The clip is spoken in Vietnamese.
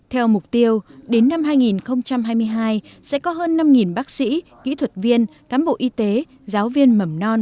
theo mục tiêu đến năm hai nghìn hai mươi hai sẽ có hơn năm bác sĩ kỹ thuật viên cán bộ y tế giáo viên mầm non